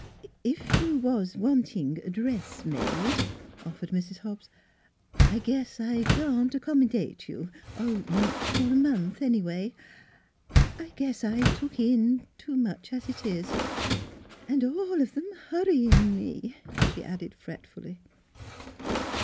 " If you was wanting a dress made," offered Mrs. Hobbs, " I guess I can't 'commodate you not f'r a month, anyway. I guess I took in too much, as it is an' all of 'em hurrying me," she added fretfully.